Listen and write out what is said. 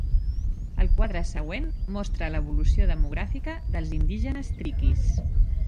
El quadre següent mostra l'evolució demogràfica dels indígenes triquis.